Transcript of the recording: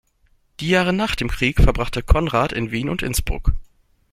Die Jahre nach dem Krieg verbrachte Conrad in Wien und Innsbruck.